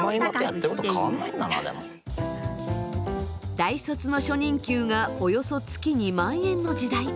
大卒の初任給がおよそ月２万円の時代。